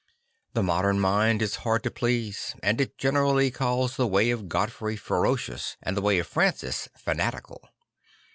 The modem mind is hard to please; and it generally calls the way of Godfrey ferocious and the way of Francis fana tical.